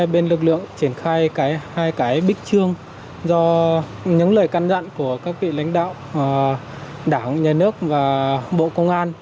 bên lực lượng triển khai hai cái bích trương do những lời can dặn của các vị lãnh đạo đảng nhà nước và bộ công an